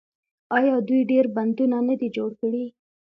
آیا دوی ډیر بندونه نه دي جوړ کړي؟